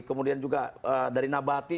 kemudian juga dari nabati